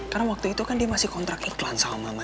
karena waktu itu kan dia masih kontrak iklan sama mama